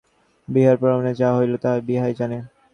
বিভার প্রাণে যাহা হইল তাহা বিভাই জানে!